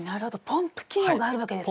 ポンプ機能があるわけですね！